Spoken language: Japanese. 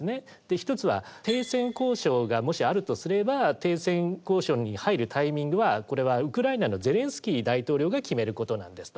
１つは停戦交渉がもしあるとすれば停戦交渉に入るタイミングはこれはウクライナのゼレンスキー大統領が決めることなんですと。